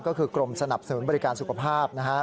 ก็คือกรมสนับสนุนบริการสุขภาพนะฮะ